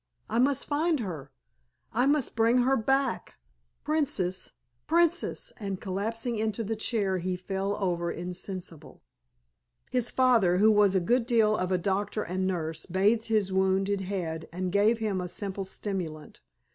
I must find her—I must bring her back—Princess, Princess!" and collapsing into the chair he fell over insensible. His father, who was a good deal of a doctor and nurse, bathed his wounded head and gave him a simple stimulant.